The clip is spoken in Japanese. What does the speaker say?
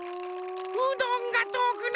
うどんがとおくなる。